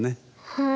はい。